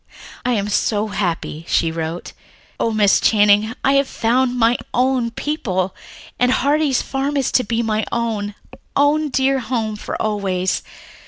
"I am so happy," she wrote. "Oh, Miss Channing, I have found 'mine own people,' and Heartsease Farm is to be my own, own dear home for always.